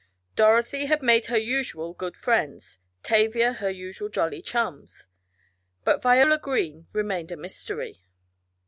Dorothy had made her usual good friends Tavia her usual jolly chums. But Viola Green remained a mystery.